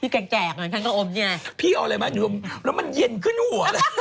แกะทั้งกระอมเงี่ยพี่เอาอะไรมาแล้วมันเย็นขึ้นหัว